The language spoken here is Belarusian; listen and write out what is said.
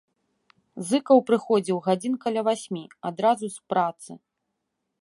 Зыкаў прыходзіў гадзін каля васьмі, адразу з працы.